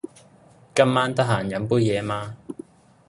今晚得閒飲杯嘢嘛？